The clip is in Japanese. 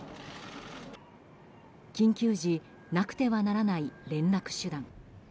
緊急時なくてはならない連絡手段。